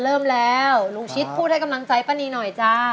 เริ่มแล้วลุงชิดพูดให้กำลังใจป้านีหน่อยจ้า